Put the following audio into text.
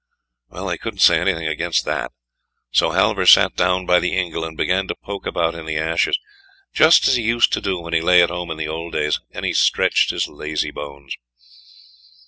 Well, they couldn't say anything against that; so Halvor sat down by the ingle, and began to poke about in the ashes, just as he used to do when he lay at home in old days, and stretched his lazy bones.